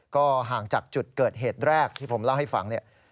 ก็ห่างจากจุดเกิดเหตุแรกที่ผมเล่าให้ฟังเนี่ย